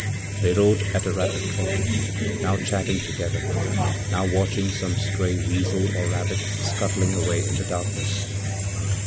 They rode at a rapid trot, nowchatting together, now watching some stray weasel or rabbit scuttlingaway in the darkness.